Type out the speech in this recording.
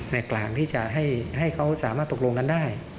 กลางที่จะให้เขาสามารถตกลงกันได้